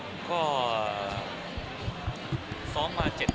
การคิดละครับ